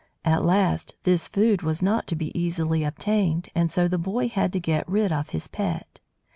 At last, this food was not to be easily obtained, and so the boy had to get rid of his pet.